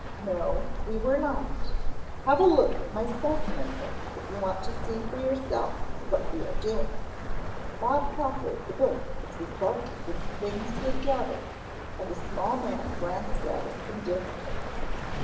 "No we were not. Have a look at my specimen book if you want to see for yourself what we are doing." Bob proffered the book which was bulky with the things he had gathered and the small man glanced at it indifferently.